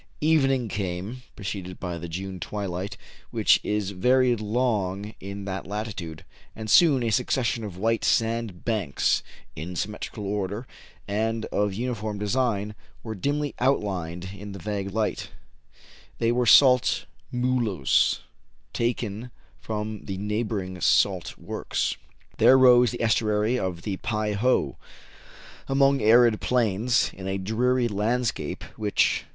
Evening came, preceded by the June twilight, which is very long in that latitude ; and soon a * succession of white sand banks, in symmetrical order and of uniform design, were dimly outlined in the vague light : they were salt " mulous," taken from the neighboring salt works. There rose the estuary of the Pei ho, among arid plains, in a dreary landscape, which, M.